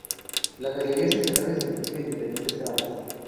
La galería subterránea se divide en diferentes tramos.